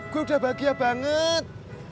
gue udah bahagia banget